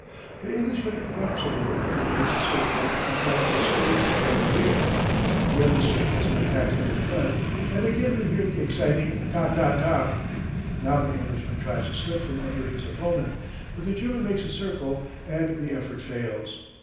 The Englishman drops a little, makes a circle and tries to escape toward the rear. The other circles and attacks him in front, and again we hear the exciting ta ta ta! Now the Englishman tries to slip from under his opponent, but the German makes a circle and the effort fails.